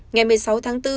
ngày một mươi sáu tháng bốn